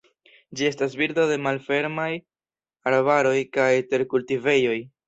Ĝi estas birdo de malfermaj arbaroj kaj terkultivejoj.